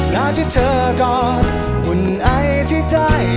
แล้วที่เธอกอดหุ่นไอที่ได้